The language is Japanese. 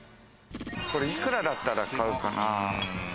これ、幾らだったら買うかな？